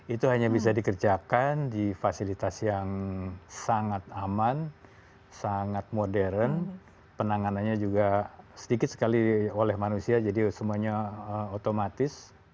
itu hanya bisa dikerjakan di fasilitas yang sangat aman sangat modern penanganannya juga sedikit sekali oleh manusia jadi semuanya otomatis